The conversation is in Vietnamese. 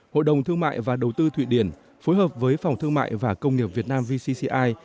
hội đồng thương mại và đầu tư thụy điển phối hợp với phòng thương mại và công nghiệp việt nam vcci